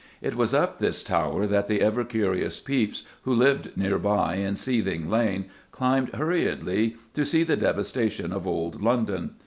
It was up this tower that the ever curious Pepys, who lived near by, in Seething Lane, climbed hurriedly to see the devastation of Old London.